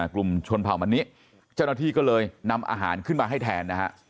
กลุ่มชนเผ่ามณิเจ้าหน้าที่ก็เลยนำอาหารขึ้นมาให้แทนนะฮะ